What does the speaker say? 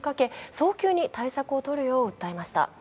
早急に対策を取るよう訴えました。